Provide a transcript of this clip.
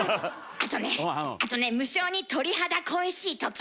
あとねあとね無性に鳥肌恋しいとき。